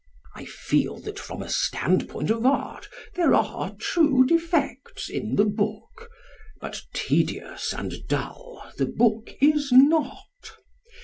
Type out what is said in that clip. I feel that from a standpoint of art there are true defects in the book. But tedious and dull the book is not.